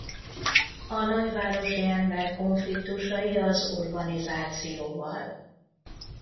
A nagyvárosi ember konfliktusai az urbanizációval.